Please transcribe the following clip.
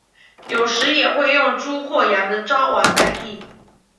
有时也会用猪或羊的睾丸代替。